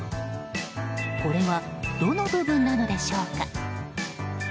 これはどの部分なのでしょうか。